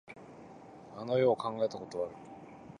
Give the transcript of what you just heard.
あの世を考えたことはあるか。